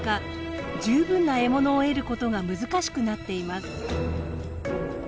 十分な獲物を得ることが難しくなっています。